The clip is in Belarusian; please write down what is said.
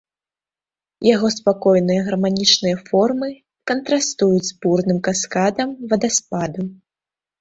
Яго спакойныя гарманічныя формы кантрастуюць з бурным каскадам вадаспаду.